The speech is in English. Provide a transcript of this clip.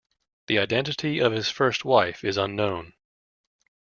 The identity of his first wife is unknown.